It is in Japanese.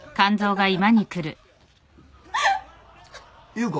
優子。